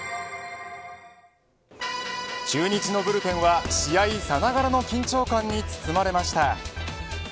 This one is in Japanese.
中日のブルペンは試合さながらの緊張感に包まれました。